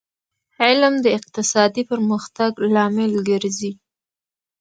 علم د اقتصادي پرمختګ لامل ګرځي